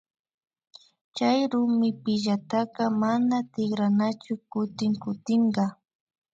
Chay rumipillataka nama nitkanachu kutin kutinka